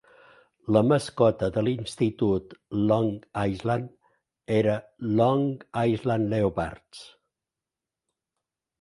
La mascota de l'institut Long Island era Long Island Leopards.